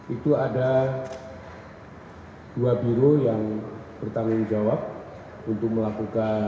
itu ada dua biro yang bertanggung jawab untuk melakukan